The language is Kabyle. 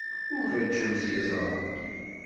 Ur ṛejjem s yeẓra.